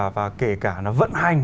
và kể cả nó vận hành